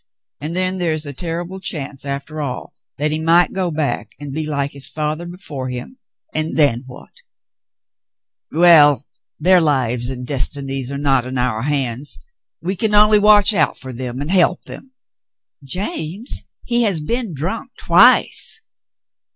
And then there is the terrible chance, after all, that he might go back and be like his father before him, and then what ?" 136 The Mountain Girl "Well, their lives and destinies are not in our hands; we can only watch out for them and help them." "James, he has been drunk twice